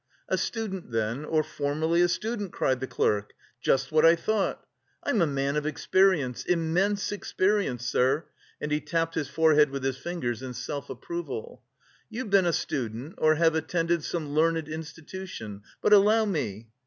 "A student then, or formerly a student," cried the clerk. "Just what I thought! I'm a man of experience, immense experience, sir," and he tapped his forehead with his fingers in self approval. "You've been a student or have attended some learned institution!... But allow me...."